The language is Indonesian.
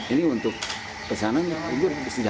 ini untuk pesanan ini sejak kapan pesannya